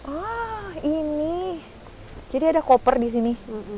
wah ini jadi ada koper di sini